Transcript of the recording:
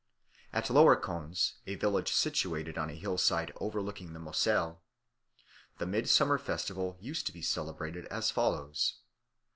At Lower Konz, a village situated on a hillside overlooking the Moselle, the midsummer festival used to be celebrated as follows.